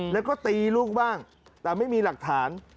แล้วก็ตีลูกบ้างแต่ไม่มีหลักฐาน